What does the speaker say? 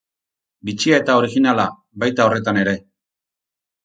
Bitxia eta originala, baita horretan ere.